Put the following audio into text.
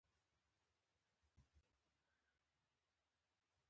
بلکی د ټول بشریت د خیر، ښیګڼی، سوکالی او عدالت فکر ولری